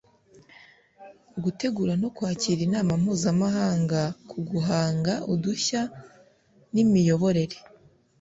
gutegura no kwakira inama mpuzamahanga ku guhanga udushya n imiyoborere